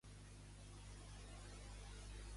De qui més ha parlat Iglesias?